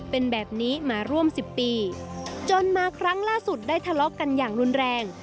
เป็นแบบนี้มาร่วม๑๐ปีจนมาครั้งล่าสุดได้ทะเลาะกันอย่างรุนแรง